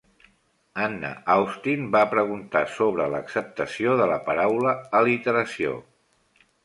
Anna Austen va preguntar sobre l'acceptació de la paraula "al·literació".